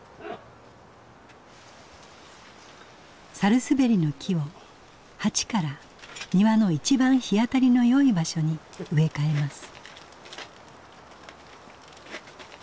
百日紅の木を鉢から庭の一番日当たりのよい場所に植え替えます。